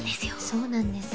そうなんです